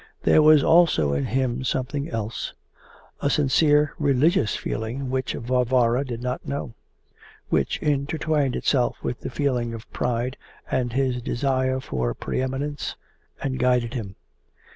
There was also in him something else a sincere religious feeling which Varvara did not know, which intertwined itself with the feeling of pride and the desire for pre eminence, and guided him.